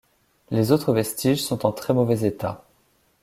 Les autres vestiges sont en très mauvais état.